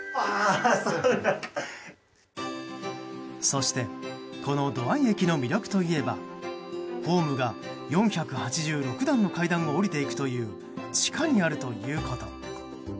そしてこの土合駅の魅力といえばホームが４８６段の階段を下りていくという地下にあるということ。